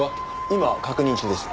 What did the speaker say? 今確認中です。